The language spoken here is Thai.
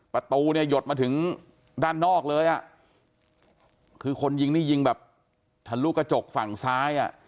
ประตูเนี่ยหยดมาถึงด้านนอกเลยอ่ะคือคนยิงนี่ยิงแบบทะลุกระจกฝั่งซ้ายอ่ะ